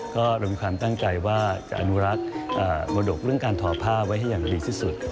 ก็เรามีความตั้งใจว่าจะอนุรักษ์มรดกเรื่องการทอผ้าไว้ให้อย่างดีที่สุด